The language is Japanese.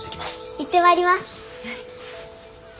行ってまいります。